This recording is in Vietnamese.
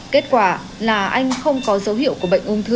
kết quả là anh không có dấu hiệu của bệnh ung thư